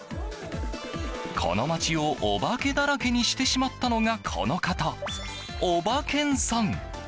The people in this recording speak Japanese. この街をお化けだらけにしてしまったのがこの方、オバケンさん。